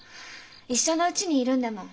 一緒のうちにいるんだもん